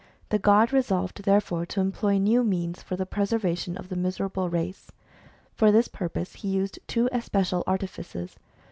The god resolved therefore to employ new means for the preservation of the miserable race. For this pur pose he used two especial artifices.